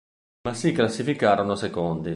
Ma si classificarono secondi.